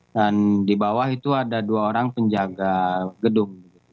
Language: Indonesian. dan di bawah itu ada dua orang penjaga gedung